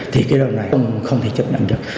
thì cái đầu này không thể chấp nhận được